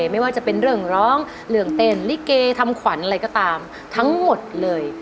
ไม่ว่าจะเป็นเรื่องร้องเรื่องเต้นลิเกทำขวัญอะไรก็ตามทั้งหมดเลย